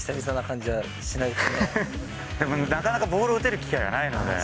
でも、なかなかボールを打てる機会がないので。